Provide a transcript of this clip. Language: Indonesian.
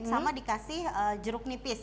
sama dikasih jeruk nipis